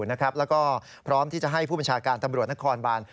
แล้วก็พร้อมที่จะให้ผู้บัญชาการตำรวจนครบาน